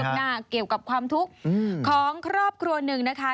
หน้าเกี่ยวกับความทุกข์ของครอบครัวหนึ่งนะคะ